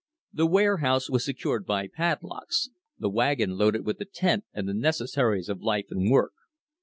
The warehouse was secured by padlocks, the wagon loaded with the tent and the necessaries of life and work.